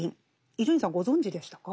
伊集院さんご存じでしたか？